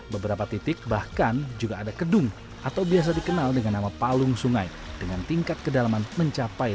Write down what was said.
beberapa titik bahkan juga ada kedung atau biasa dikenal dengan nama palung sungai dengan tingkat kedalaman mencapai